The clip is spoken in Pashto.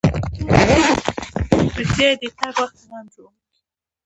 احمده! ته لاس مه په وهه.